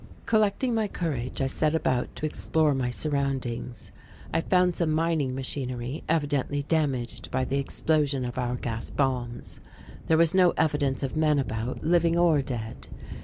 Collecting my courage I set about to explore my surroundings. I found some mining machinery evidently damaged by the explosion of our gas bombs. There was no evidence of men about, living or dead.